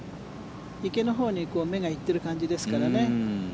池のほうに目が行っている感じですよね。